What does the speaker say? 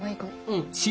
うん。